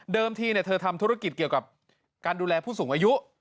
ทีเธอทำธุรกิจเกี่ยวกับการดูแลผู้สูงอายุ